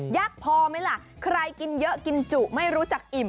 พอไหมล่ะใครกินเยอะกินจุไม่รู้จักอิ่ม